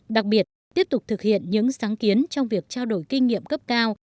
đặc biệt tiếp tục thực hiện những sáng kiến trong việc trao đổi kinh nghiệm cấp cao